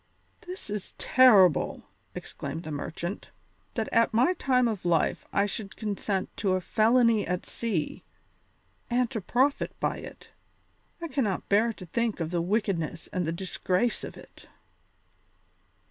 "This is terrible," exclaimed the merchant, "that at my time of life I should consent to a felony at sea, and to profit by it. I cannot bear to think of the wickedness and the disgrace of it."